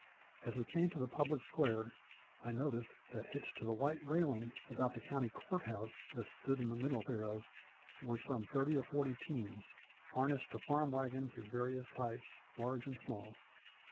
As we came to the public square I noticed that hitched to the white railing about the county courthouse that stood in the middle thereof were some thirty or forty teams, harnessed to farm wagons of various types, large and small.